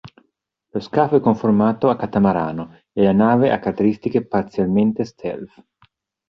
Lo scafo è conformato a catamarano, e la nave ha caratteristiche parzialmente stealth.